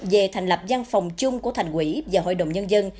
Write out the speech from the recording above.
về thành lập văn phòng chung của thành quỹ và hội đồng nhân dân